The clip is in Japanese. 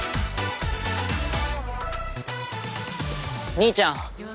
兄ちゃん。